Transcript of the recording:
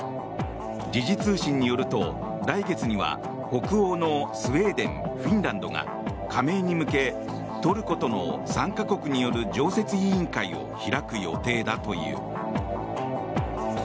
時事通信によると来月には北欧のスウェーデンフィンランドが加盟に向けトルコとの３か国による常設委員会を開く予定だという。